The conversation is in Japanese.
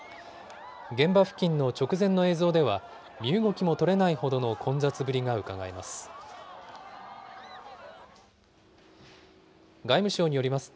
現場付近の直前の映像では、身動きも取れないほどの混雑ぶりがうかがえます。